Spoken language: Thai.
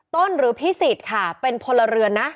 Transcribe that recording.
ต้นหรือพิศิษภ์ค่ะเป็นพลเรือนนะ